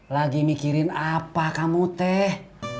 lagi mikirin apa kamu teh